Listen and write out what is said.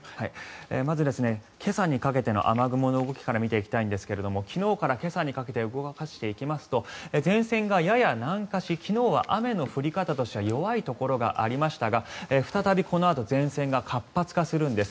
まず、今朝にかけての雨雲の動きから見ていきたいんですが昨日から今朝にかけて動かしていきますと前線がやや南下し昨日は雨の降り方としては弱いところがありましたが再びこのあと前線が活発化するんです。